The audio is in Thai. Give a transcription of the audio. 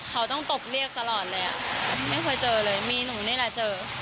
เขาต้องตบเรียกตลอดเลยอ่ะไม่เคยเจอเลยมีหนูนี่แหละเจอ